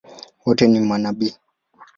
Wote ni manabii?